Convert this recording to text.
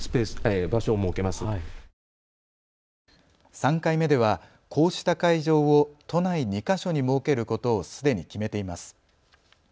３回目では、こうした会場を都内２か所に設けることをすでに決めています。